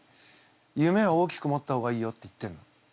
夢を大きく持った方がいいよって言ってんの。